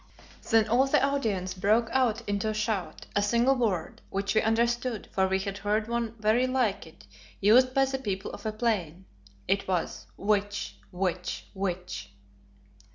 Then all the audience broke out into a shout, a single word, which we understood, for we had heard one very like it used by the people of the Plain. It was "Witch! Witch! _Witch!